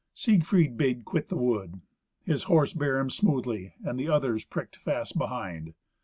Siegfried bade quit the wood. His horse bare him smoothly, and the others pricked fast behind.